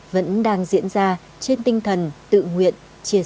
vẫn đang diễn ra trên tinh thần tự nguyện chia sẻ và trách nhiệm